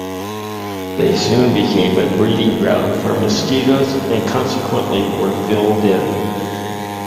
They soon became a breeding ground for mosquitoes and consequently were filled in.